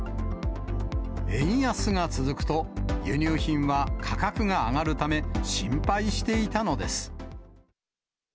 円安が続くと、輸入品は価格が上がるため、心配していたのです。